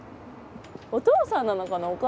お父さんなのかな？